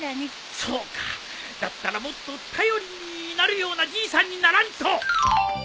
そうかだったらもっと頼りになるようなじいさんにならんと！